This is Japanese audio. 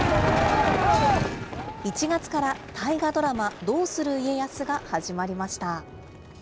１月から大河ドラマ、どうする家康が始まりました。